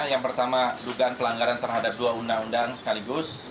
yang pertama dugaan pelanggaran terhadap dua undang undang sekaligus